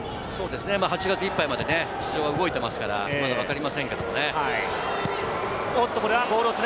８月いっぱいまで市場が動いてますから、まだわかりませんけどね。